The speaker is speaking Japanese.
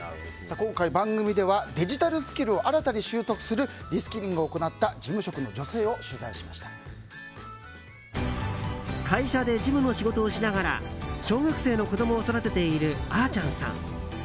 今回、番組ではデジタルスキルを新たに習得するリスキリングを行った会社で事務の仕事をしながら小学生の子供を育てているあーちゃんさん。